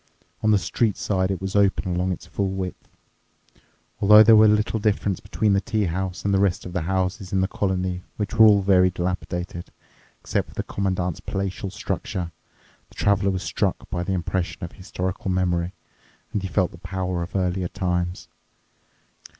On the street side it was open along its full width. Although there was little difference between the tea house and the rest of the houses in the colony, which were all very dilapidated, except for the Commandant's palatial structure, the Traveler was struck by the impression of historical memory, and he felt the power of earlier times.